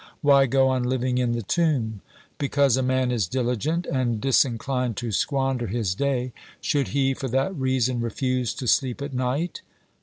Why go on living in the tomb? Because a man is diligent, and disinclined to squander his day, should he for that reason refuse to sleep at night?